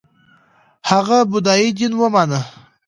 هغه بودايي دین ومانه